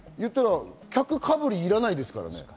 客かぶりいらないですからね。